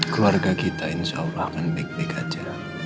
keluarga kita insya allah akan baik baik aja